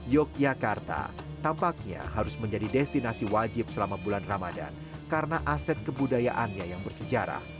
yogyakarta tampaknya harus menjadi destinasi wajib selama bulan ramadhan karena aset kebudayaannya yang bersejarah